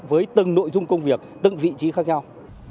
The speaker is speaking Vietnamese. với từng nội dung công việc từng vị trí khác nhau